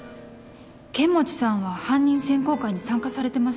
剣持さんは犯人選考会に参加されてますよね？